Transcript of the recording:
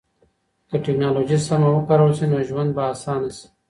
که ټکنالوژي سمه وکارول سي نو ژوند به اسانه سي.